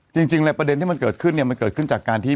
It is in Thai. จริงเลยประเด็นที่มันเกิดขึ้นเนี่ยมันเกิดขึ้นจากการที่